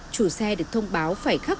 chủ xe được thông báo phải khắc